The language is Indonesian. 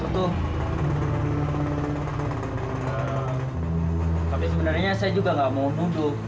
tapi sebenarnya saya juga nggak mau duduk